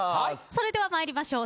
それでは参りましょう。